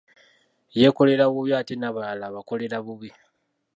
Yeekolera bubi ate n'abalala abakolera bubi.